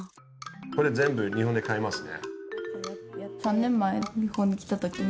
これ全部日本で買えますね。